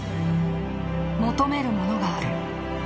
求めるものがある。